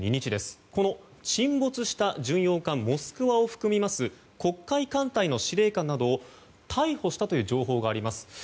この沈没した巡洋艦「モスクワ」を含む黒海艦隊の司令官などを逮捕したという情報があります。